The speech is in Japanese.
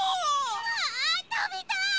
わあたべたい！